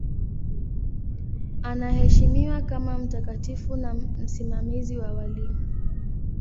Anaheshimiwa kama mtakatifu na msimamizi wa walimu.